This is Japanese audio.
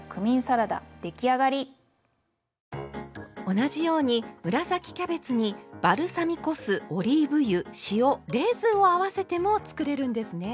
同じように紫キャベツにバルサミコ酢オリーブ油塩レーズンを合わせても作れるんですね。